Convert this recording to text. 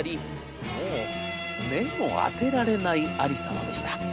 もう目も当てられないありさまでした。